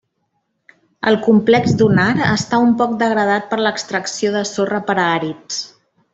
El complex dunar està un poc degradat per l'extracció de sorra per a àrids.